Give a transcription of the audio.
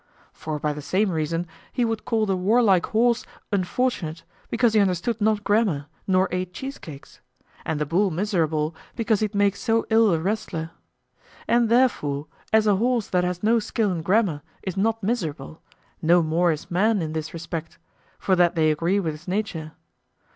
For by the same reason he would call the warlike horse unfortunate, because he understood not grammar, nor ate cheese cakes; and the bull miserable, because he'd make so ill a wrestler. And therefore, as a horse that has no skill in grammar is not miserable, no more is man in this respect, for that they agree with his nature.